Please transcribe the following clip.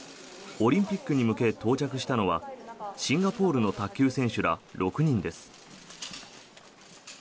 オリンピックに向け到着したのはシンガポールの卓球選手ら６人です。